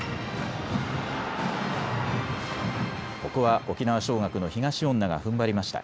ここは沖縄尚学の東恩納がふんばりました。